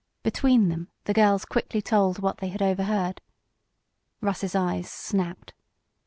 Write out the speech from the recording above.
Between them the girls quickly told what they had overheard. Russ's eyes snapped.